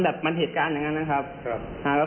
แบบมันเหตุการณ์อย่างนั้นนะครับ